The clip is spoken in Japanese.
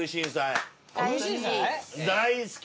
大好き。